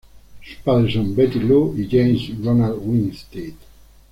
Sus padres son Betty Lou y James Ronald Winstead.